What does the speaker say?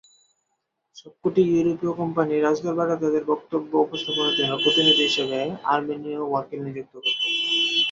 সবকটি ইউরোপীয় কোম্পানি রাজদরবারে তাদের বক্তব্য উপস্থাপনের জন্য প্রতিনিধি হিসেবে আর্মেনীয় ‘ওয়াকিল’ নিযুক্ত করতেন।